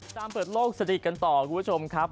ตามเปิดโลกสนิทกันต่อคุณผู้ชมครับ